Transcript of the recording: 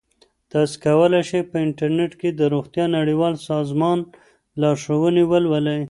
تاسو کولی شئ په انټرنیټ کې د روغتیا نړیوال سازمان لارښوونې ولولئ.